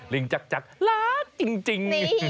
ลิงจักจักลักจริง